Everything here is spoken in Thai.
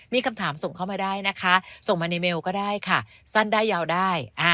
มีคำถามส่งเข้ามาได้นะคะส่งมาในเมลก็ได้ค่ะสั้นได้ยาวได้